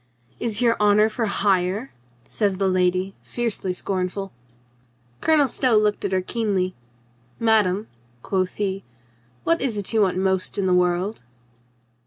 "Is your honor for hire?" says the lady, fiercely scornful. i6 JOAN NORMANDY 17 Colonel Stow looked at her keenly. "Madame," quoth he, "what is't you want most in the world?"